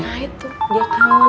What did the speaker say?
nah itu dia kangen sama lo